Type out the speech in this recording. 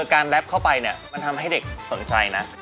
การแรปเข้าไปเนี่ยมันทำให้เด็กสนใจนะ